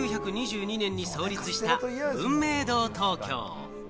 １９２２年に創立した文明堂東京。